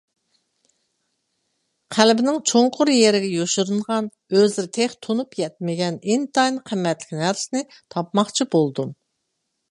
قەلبىنىڭ چوڭقۇر يېرىگە يوشۇرۇنغان، ئۆزلىرى تېخى تونۇپ يەتمىگەن ئىنتايىن قىممەتلىك نەرسىنى تاپماقچى بولدۇم.